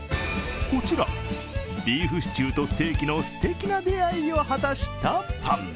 こちら、ビーフシチューとステーキのすてきな出会いを果たしたパン。